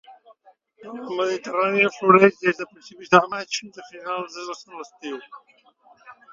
A la Mediterrània, floreix des de principis de maig fins a final de l'estiu.